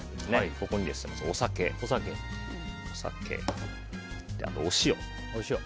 ここにお酒、あとお塩。